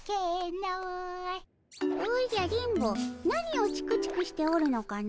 おじゃ電ボ何をチクチクしておるのかの？